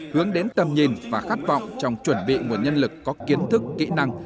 hướng đến tầm nhìn và khát vọng trong chuẩn bị nguồn nhân lực có kiến thức kỹ năng